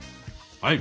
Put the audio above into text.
はい！